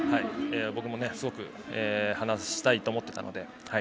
僕もすごく話したいと思っていたので。